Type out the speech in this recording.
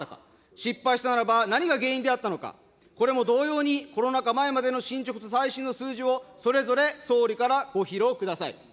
失敗したならば、何が原因であったのか、これも同様にコロナ禍前までの進捗と最新の数字を、それぞれ総理からご披露ください。